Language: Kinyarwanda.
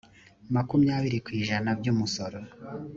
makumyabiri ku ijana by umusoro